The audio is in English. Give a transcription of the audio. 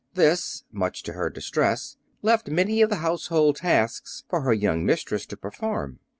This, much to her distress, left many of the household tasks for her young mistress to perform.